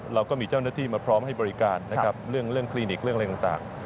เราก็มีเจ้าหน้าที่มาพร้อมให้บริการนะครับเรื่องคลินิกเรื่องอะไรต่าง